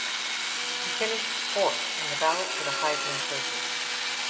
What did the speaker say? He finished fourth in the ballot for the Heisman Trophy.